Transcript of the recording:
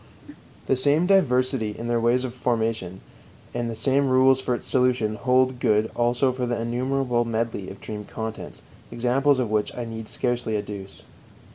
The same diversity in their ways of formation and the same rules for its solution hold good also for the innumerable medley of dream contents, examples of which I need scarcely adduce.